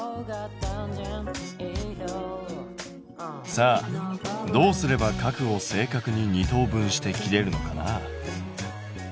さあどうすれば角を正確に二等分して切れるのかな？